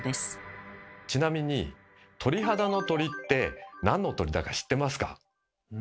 ちなみに鳥肌の鳥って何の鳥だか知ってますか？